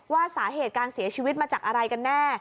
ว่าสาเหตุการเสียชีวิตมาจากอะไรกันแน่